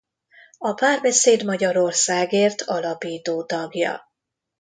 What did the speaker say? A Párbeszéd Magyarországért alapító tagja.